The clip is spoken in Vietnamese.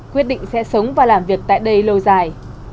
quyết định sẽ sống và làm việc tại đây lâu dài